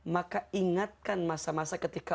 maka ingatkan masa masa ketika